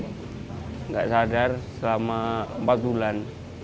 tidak sadar selama empat bulan